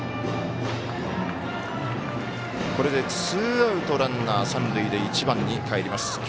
ツーアウトランナー、三塁で１番にかえります。